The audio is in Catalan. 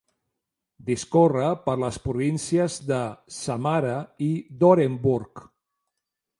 Discorre per les províncies de Samara i d'Orenburg.